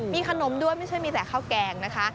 มีขนมด้วยไม่ใช่มีแต่ข้าวแกงนะคะ